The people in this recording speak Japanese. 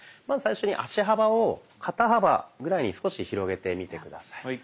まず最初に足幅を肩幅ぐらいに少し広げてみて下さい。